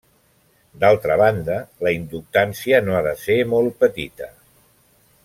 D'altra banda, la inductància no ha de ser molt petita.